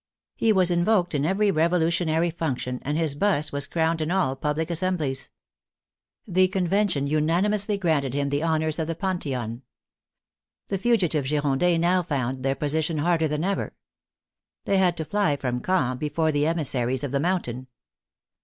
He was in voked in every revolutionary function, and his bust was crowned in all public assemblies. The Convention unan imously granted him the honors of the Pantheon. The fugitive Girondins now found their position harder than ever. They had to fly from Caen before the emissaries of the Mountain.